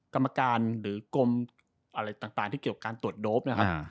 กรรมการหรือกรมอะไรต่างที่เกี่ยวการตรวจโดปนะครับ